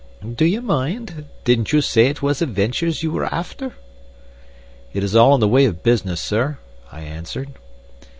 "Do you mind? Didn't you say it was adventures you were after?" "It is all in the way of business, sir," I answered.